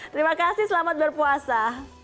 terima kasih selamat berpuasa